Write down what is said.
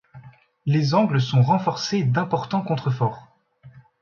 Les angles sont renforcés d'importants contreforts.